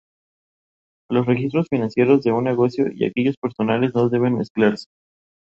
Los miembros de la banda lo apodaron "Mr.